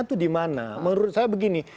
itu di mana menurut saya begini